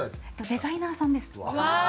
デザイナーさんです。